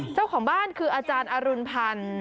เจ้าของบ้านคืออาจารย์อรุณพันธ์